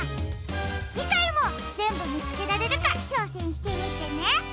じかいもぜんぶみつけられるかちょうせんしてみてね！